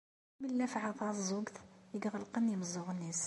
Am llafɛa taɛeẓẓugt, i iɣelqen imeẓẓuɣen-is.